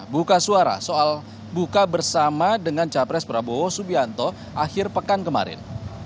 buka suara soal buka bersama dengan capres prabowo subianto akhir pekan kemarin